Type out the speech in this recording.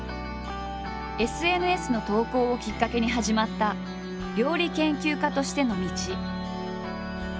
ＳＮＳの投稿をきっかけに始まった料理研究家としての道。